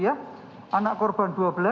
anak korban tiga